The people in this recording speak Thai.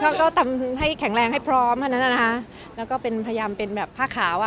ก็ก็ตำให้แข็งแรงให้พร้อมเท่านั้นนะคะแล้วก็เป็นพยายามเป็นแบบผ้าขาวอ่ะ